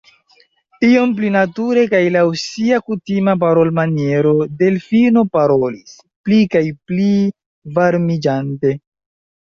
Iom pli nature kaj laŭ sia kutima parolmaniero Delfino parolis, pli kaj pli varmiĝante: